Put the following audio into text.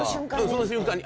その瞬間に。